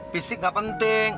fisik gak penting